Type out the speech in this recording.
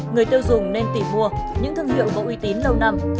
người tiêu dùng nên tìm mua những thương hiệu có uy tín lâu năm